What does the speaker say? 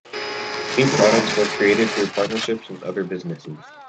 New products were created through partnerships with other businesses.